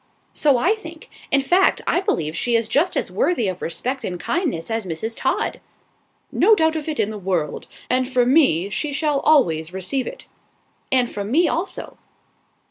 "So I think. In fact, I believe she is just as worthy of respect and kindness as Mrs. Todd." "No doubt of it in the world; and from me she shall always receive it." "And from me also."